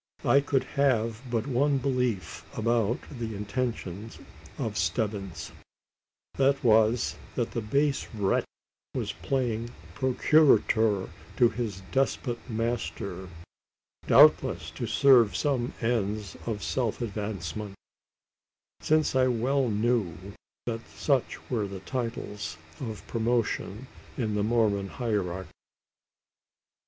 I could have but one belief about the intention of Stebbins. That was, that the base wretch was playing procurator to his despot master, doubtless to serve some ends of self advancement: since I well knew that such were the titles to promotion in the Mormon hierarchy.